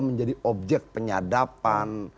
menjadi objek penyadapan